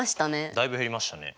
だいぶ減りましたね。